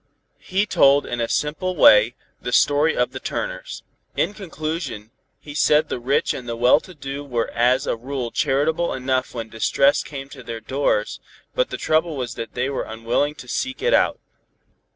He told in a simple way, the story of the Turners. In conclusion he said the rich and the well to do were as a rule charitable enough when distress came to their doors, but the trouble was that they were unwilling to seek it out.